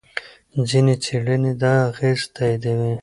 ځینې څېړنې دا اغېز تاییدوي.